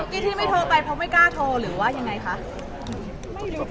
กี้ที่ไม่โทรไปเพราะไม่กล้าโทรหรือว่ายังไงคะ